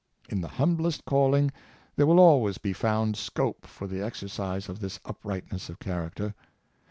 In the humblest calling there will always be found scope for the exercise of this uprightness of character.